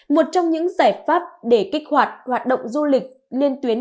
một trong những giải pháp để kích hoạt hoạt động du lịch liên tuyến